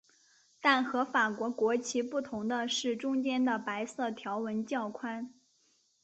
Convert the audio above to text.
但和法国国旗不同的是中间的白色条纹较宽。